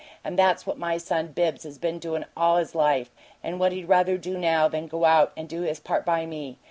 And that's what my son Bibbs has been doin' all his life, and what he'd rather do now than go out and do his part by me.